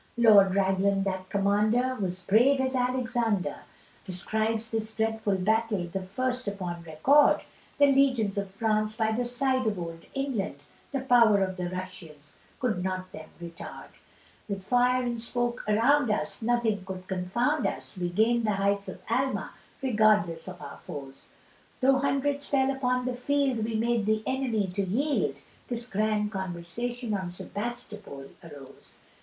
Lord Raglan that commander was brave as Alexander, Describes this dreadful battle the first upon record, The legions of France by the side of old England, The power of the Russians could not them retard, With fire and smoke around us nothing could confound us, We gained the heights of Alma regardless of our foes, Though hundreds fell upon the field we made the enemy to yield, This grand conversation on Sebastopol arose.